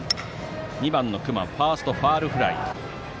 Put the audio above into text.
２番の隈はファーストファウルフライ。